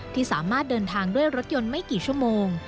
ที่สามารถเดินทางด้วยรถยนต์ไม่กี่ชั่วโมง